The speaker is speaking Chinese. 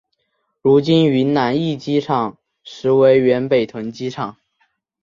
如今的云南驿机场实为原北屯机场。